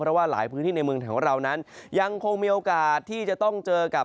เพราะว่าหลายพื้นที่ในเมืองของเรานั้นยังคงมีโอกาสที่จะต้องเจอกับ